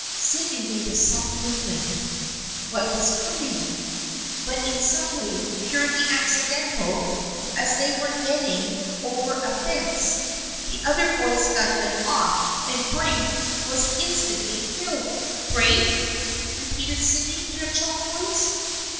Sydney made a sud den movement. What was coming ?" But in some way, purely accidental, as they were getting THE FKIENDSHIP OF ANNE 283 over a fence, the other boy's gun went off, and Braith was instantly killed." " Braith ?" repeated Sydney in a choked voice.